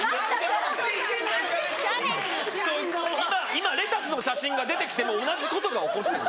今レタスの写真が出てきても同じことが起こってる。